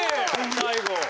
最後。